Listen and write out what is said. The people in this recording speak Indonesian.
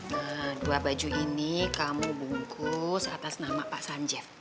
nah dua baju ini kamu bungkus atas nama pak sanjet